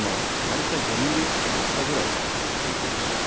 大体５ｍｍ厚さぐらいで切っていきましょう